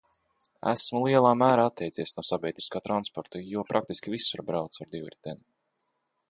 Esmu lielā mērā atteicies no sabiedriskā transporta, jo praktiski visur braucu ar divriteni.